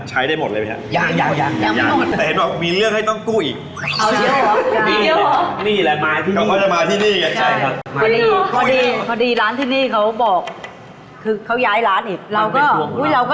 ใช้ได้หมดเลยไหมครับ